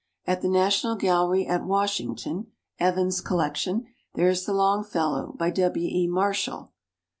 At the National Gallery at Washington (Evans Collection) there is the Longfellow by W. E. Mar shall.